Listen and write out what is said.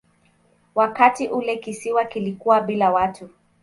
Wakati ule kisiwa kilikuwa bila watu.